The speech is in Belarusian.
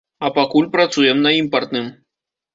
А пакуль працуем на імпартным.